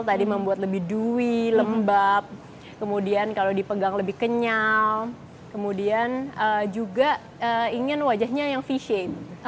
tadi membuat lebih dui lembab kemudian kalau dipegang lebih kenyal kemudian juga ingin wajahnya yang vision